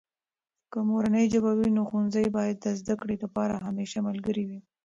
که مورنۍ ژبه وي، نو ښوونځي باید د زده کړې لپاره همیشه ملګری وي.